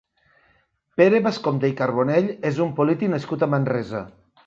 Pere Bascompte i Carbonell és un polític nascut a Manresa.